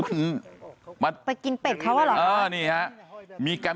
ไปกินเป็ดเขาหรอ